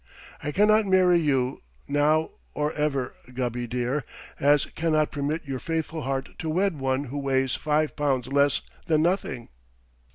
I cannot marry you, now or ever, Gubby dear, as cannot permit your faithful heart to wed one who weighs five pounds less than nothing.